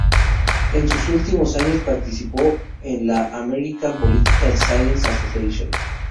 En sus últimos años participó en la "American Political Science Association".